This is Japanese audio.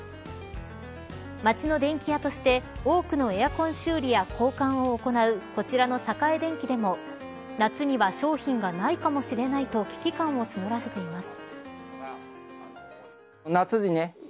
街の電気屋として多くのエアコン修理や交換を行うこちらの栄電気でも夏には商品がないかもしれないと危機感を募らせています。